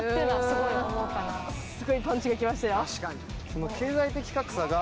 すごいパンチが来ましたよ。